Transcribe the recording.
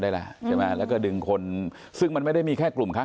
ได้แล้วใช่ไหมแล้วก็ดึงคนซึ่งมันไม่ได้มีแค่กลุ่มค้า